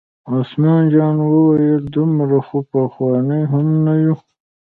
عثمان جان وویل: دومره خو پخواني هم نه یو.